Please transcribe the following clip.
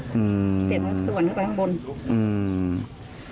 เสียบส่วนไปข้างบน